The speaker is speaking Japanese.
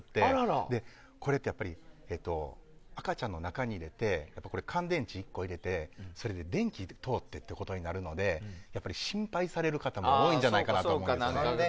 これって、赤ちゃんの中に入れて乾電池１個入れてそれで、電気が通ってってことになるので心配される方が多いんじゃないかと思うんです。